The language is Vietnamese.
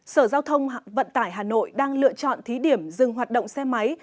sở giao thông vận tải hà nội đang lựa chọn thí điểm dừng hoạt động xe máy